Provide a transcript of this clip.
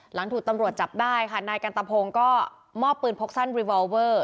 หลังถูกตำรวจจับได้ค่ะนายกันตะพงศ์ก็มอบปืนพกสั้นรีวอลเวอร์